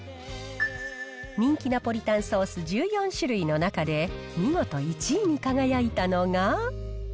人気ナポリタンソース１４種類の中で見事１位に輝いたのが。